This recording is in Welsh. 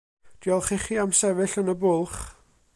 Diolch i chi am sefyll yn y bwlch.